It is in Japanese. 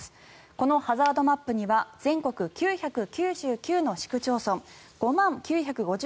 このハザードマップには全国９９９の市区町村５万９５０